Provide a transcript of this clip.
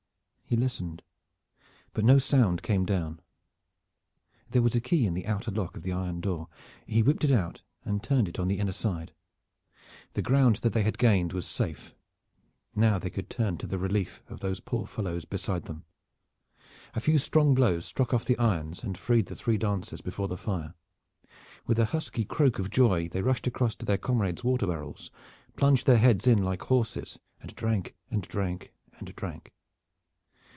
He listened, but no sound came down. There was a key in the outer lock of the iron door. He whipped it out and turned it on the inner side. The ground that they had gained was safe. Now they could turn to the relief of these poor fellows beside them. A few strong blows struck off the irons and freed the three dancers before the fire. With a husky croak of joy, they rushed across to their comrades' water barrels, plunged their heads in like horses, and drank and drank and drank.